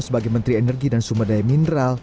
sebagai menteri energi dan sumber daya mineral